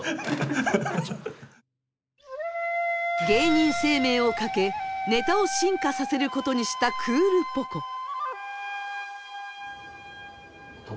芸人生命を懸けネタを進化させることにした「クールポコ。」。